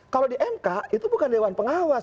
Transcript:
kalau di mk itu bukan dewan pengawas